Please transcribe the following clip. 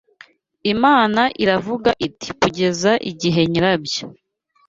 Imana iravuga iti Kugeza igihe nyirabyo